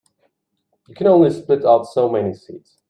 You can only spit out so many seeds.